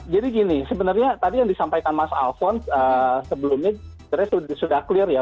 jadi gini sebenarnya tadi yang disampaikan mas alfon sebelumnya sebenarnya sudah clear ya